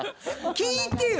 聞いてよ